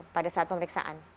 pada saat pemeriksaan